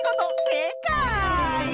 せいかい！